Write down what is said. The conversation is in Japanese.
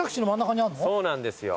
そうなんですよ。